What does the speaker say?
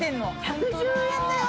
１１０円だよ？